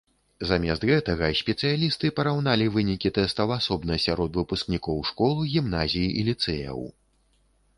Замест гэтага спецыялісты параўналі вынікі тэстаў асобна сярод выпускнікоў школ, гімназій і ліцэяў.